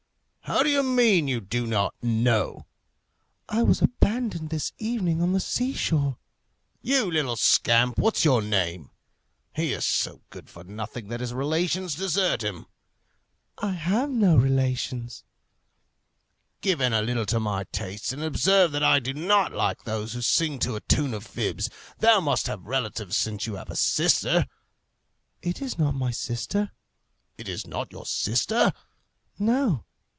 "How do you mean? you don't know?" "I was abandoned this evening on the sea shore." "You little scamp! what's your name? He is so good for nothing that his relations desert him." "I have no relations." "Give in a little to my tastes, and observe that I do not like those who sing to a tune of fibs. Thou must have relatives since you have a sister." "It is not my sister." "It is not your sister?" "No."